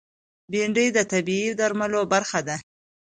بېنډۍ د طبعي درملو برخه ده